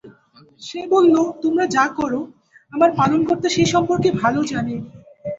সে বলল, তোমরা যা কর, আমার পালনকর্তা সে সম্পর্কে ভাল জানেন।